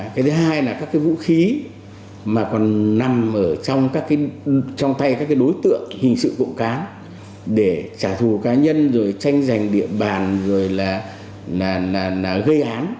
cái thứ hai là các cái vũ khí mà còn nằm ở trong các trong tay các đối tượng hình sự cộng cán để trả thù cá nhân rồi tranh giành địa bàn rồi là gây án